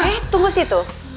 eh tunggu situ